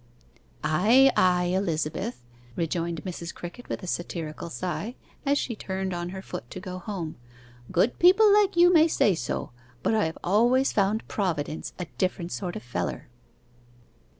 'Ay, ay, Elizabeth,' rejoined Mrs. Crickett with a satirical sigh, as she turned on her foot to go home, 'good people like you may say so, but I have always found Providence a different sort of feller.